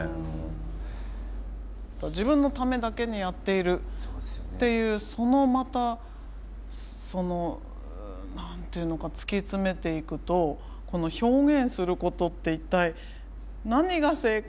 「自分のためだけにやっている」っていうそのまたその何て言うのか突き詰めていくとこの表現することって一体何が正解？